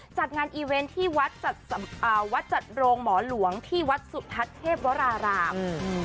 จัดงานอีเวนต์ที่วัดจัดโรงหมอหลวงที่วัดสุทัศน์เทพวราราม